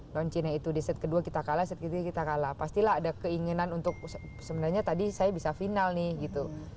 launchingnya itu di set kedua kita kalah set ketiga kita kalah pastilah ada keinginan untuk sebenarnya tadi saya bisa final nih gitu